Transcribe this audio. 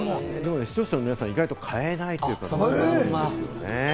視聴者の皆さん、意外と変えないということですね。